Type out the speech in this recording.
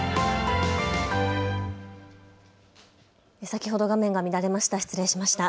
先ほど画面が乱れました。